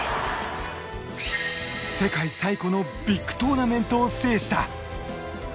世界最古のビッグトーナメントを制した。